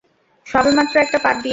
সবেমাত্র একটা পাদ দিয়েছি।